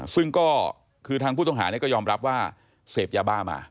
ซึ่งก็คือทางผู้ต้องหาก็ยอมรับว่าเสพยาบ้ามา